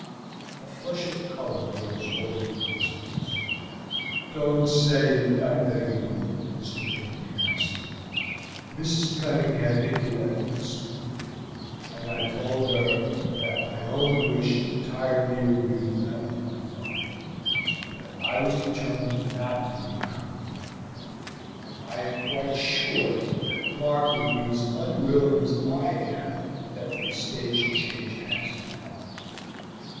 A flush of color rose over the girl's face. "Don't say it, I beg of you, Mr. Prendergast. Mrs. Cunningham hinted at it this morning, and I told her that my own wish entirely agreed with that of my father, and that I was determined not to be married for money; and I am quite sure that Mark would be as unwilling as I am that the estate should change hands in that way.